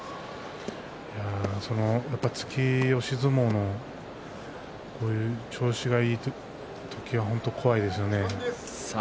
やっぱり突き押し相撲のこういう調子がいい時は本当に怖いですよね。